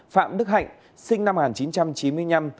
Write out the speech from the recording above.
phạm đức hạnh sinh năm một nghìn chín trăm chín mươi năm